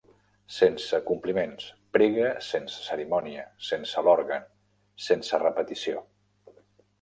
Sense compliments, prega sense cerimònia, sense l'òrgan, sense repetició.